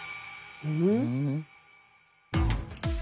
うん？